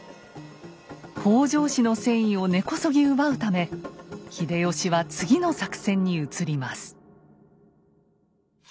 北条氏の戦意を根こそぎ奪うため秀吉は次の作戦に移ります。